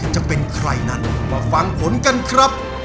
จะเป็นใครนั้นมาฟังผลกันครับ